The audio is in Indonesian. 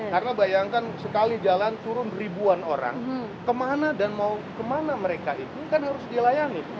karena bayangkan sekali jalan turun ribuan orang kemana dan mau kemana mereka itu kan harus dilayani